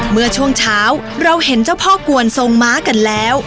เมื่อช่วงเช้าเราเห็นเจ้าพ่อกวนทรงม้ากันแล้ว